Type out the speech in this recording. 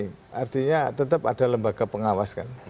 artinya tetap ada lembaga pengawas kan